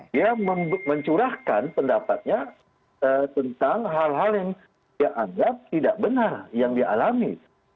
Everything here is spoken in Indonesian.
dia mencurahkan pendapatnya tentang hal hal yang dia anggap tidak benar yang dia alami